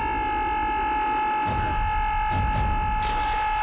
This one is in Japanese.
あ！